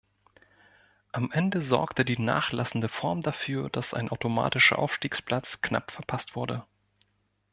Am Ende sorgte die nachlassende Form dafür, dass ein automatischer Aufstiegsplatz knapp verpasst wurde.